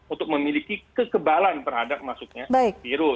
untuk memiliki kekebalan terhadap masuknya virus